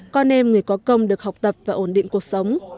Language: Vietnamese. con em người có công được học tập và ổn định cuộc sống